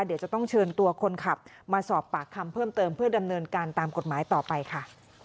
เดี๋ยวจะต้องเชิญตัวคนขับมาสอบปากคำเพิ่มเติมเพื่อดำเนินการตามกฎหมายต่อไปค่ะ